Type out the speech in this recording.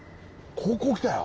高校来たよ。